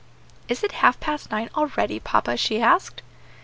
"Is it half past nine already, papa?" she asked.